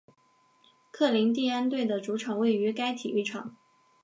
科林蒂安队的主场位于该体育场。